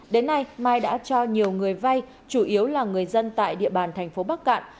đến nay mai đã cho nhiều người vai chủ yếu là người dân tại địa bàn tp bắc cạn